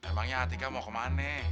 emangnya atika mau kemana